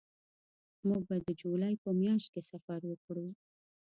موږ به د جولای په میاشت کې سفر وکړو